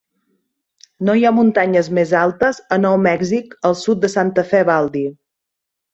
No hi ha muntanyes més altes a Nou Mèxic al sud de Santa Fe Baldy.